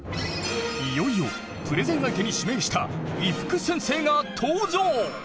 いよいよプレゼン相手に指名した伊福先生が登場！